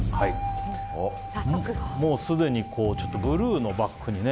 すでにブルーのバックにね。